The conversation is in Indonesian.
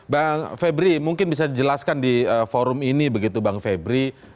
bang febri mungkin bisa dijelaskan di forum ini begitu bang febri